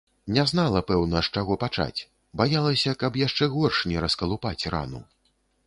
Не знала, пэўна, з чаго пачаць, баялася, каб яшчэ горш не раскалупаць рану.